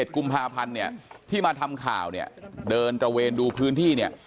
กุมภาพันธ์เนี่ยที่มาทำข่าวเนี่ยเดินตระเวนดูพื้นที่เนี่ย